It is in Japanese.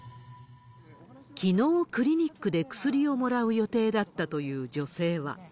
きのう、クリニックで薬をもらう予定だったという女性は。